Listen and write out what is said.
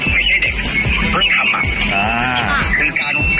คือการวางหมูการวางอะไรใส่น้ำอะไรมันประดีอ่ะมันต้องเป็นอ่ะ